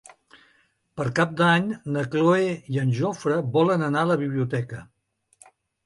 Per Cap d'Any na Cloè i en Jofre volen anar a la biblioteca.